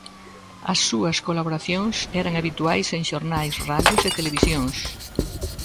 As súas colaboracións eran habituais en xornais, radios e televisións.